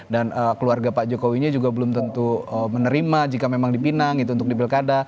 dan keluarga pak jokowinya juga belum tentu menerima jika memang dipinang itu untuk di pilkada